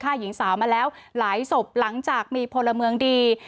หญิงสาวมาแล้วหลายศพหลังจากมีพลเมืองดี